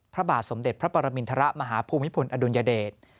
พระบาทสมเด็จพระปรมิณฐระมหาภูมิภูมิอดุลยเดช